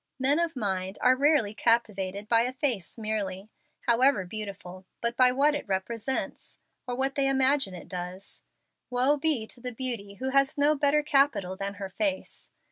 Men of mind are rarely captivated by a face merely, however beautiful, but by what it represents, or what they imagine it does. Woe be to the beauty who has no better capital than her face!